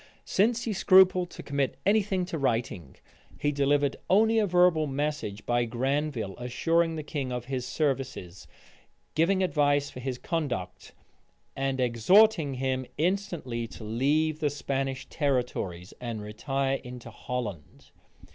Still he scrupled to commit any thing to writing: he delivered only a verbal message by Granville assuring the king of his services, giving advice for his conduct, and exhorting him instantly to leave the Spanish territories, and retire into Holland.